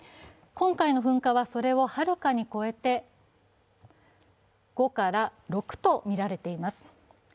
今回の噴火はそれをはるかに超えて５から６とみられています。